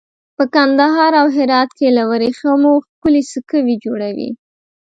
په کندهار او هرات کې له وریښمو ښکلي سکوي جوړوي.